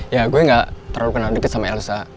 ya gue gak terlalu kenal deket sama elsa